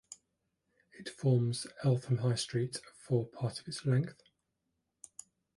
It forms Eltham High Street for part of its length.